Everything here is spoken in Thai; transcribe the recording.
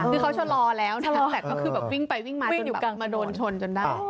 คือเขาชะลอแล้วแต่ก็คือวิ่งไปวิ่งมาวิ่งอยู่กลางถนน